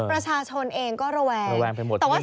ประชาชนเองก็ระวัง